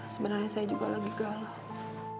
sebenarnya saya juga lagi galak